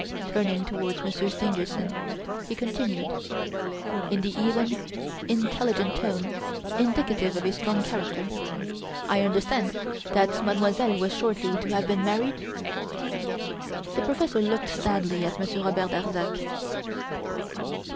Turning towards Monsieur Stangerson, he continued, in the even, intelligent tone indicative of a strong character, "I understand that Mademoiselle was shortly to have been married?" The professor looked sadly at Monsieur Robert Darzac.